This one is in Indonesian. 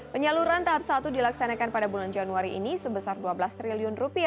penyaluran tahap satu dilaksanakan pada bulan januari ini sebesar rp dua belas triliun